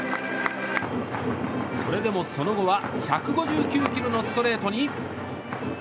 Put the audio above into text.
それでも、その後は１５９キロのストレートに。